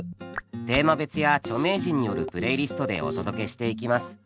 テーマ別や著名人によるプレイリストでお届けしていきます。